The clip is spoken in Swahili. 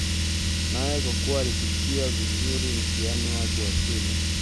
Naye kwa kuwa alipita vizuri mtihani wake wa shule